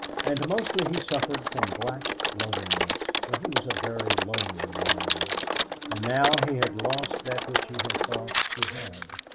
And mostly he suffered from black loneliness, for he was a very lonely man, and now he had lost that which he had thought he had.